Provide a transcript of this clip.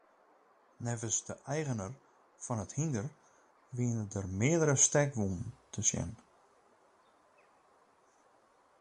Neffens de eigener fan it hynder wiene der meardere stekwûnen te sjen.